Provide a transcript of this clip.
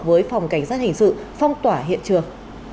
với phòng cảnh sát hình sự phong tỏa hiện trường